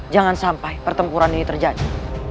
jangan sampai pertempuran ini terjadi